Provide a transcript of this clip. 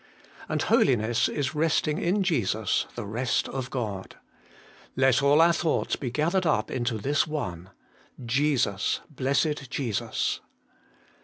And holiness is resting in Jesus the rest of God. Let all our thoughts be gathered up into this one : Jesus, Blessed Jesus.